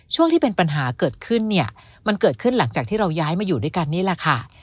ช่วงที่เป็นปัญหาเกิดขึ้นเนี่ยมันเกิดขึ้นหลังจากที่เราย้ายมาอยู่ด้วยกันนี่แหละค่ะ